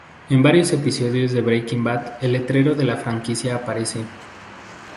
En varios episodios de Breaking Bad el letrero de la franquicia aparece.